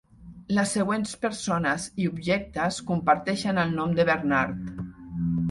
Les següents persones i objectes comparteixen el nom de Bernard.